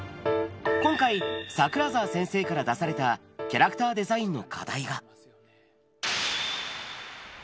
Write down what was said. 今回、桜沢先生から出されたキャラクターデザインの課題が。